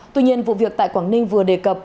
tuy nhiên vụ việc tại quảng ninh vừa đề cập